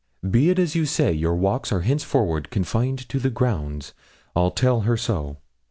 Be it as you say; your walks are henceforward confined to the grounds; I'll tell her so.'